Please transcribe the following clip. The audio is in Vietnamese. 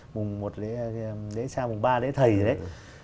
mùng một lễ xa mùng ba lễ thầy rồi đấy